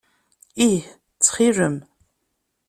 Ih ttxil-m.